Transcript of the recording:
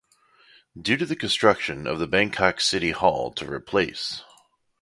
Due to the construction of the Bangkok City Hall to replace.